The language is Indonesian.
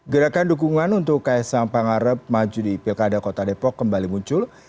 gerakan dukungan untuk kaisang pangarep maju di pilkada kota depok kembali muncul